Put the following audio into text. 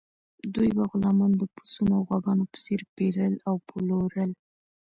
دوی به غلامان د پسونو او غواګانو په څیر پیرل او پلورل.